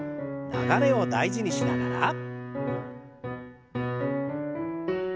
流れを大事にしながら。